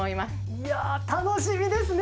いやー、楽しみですね。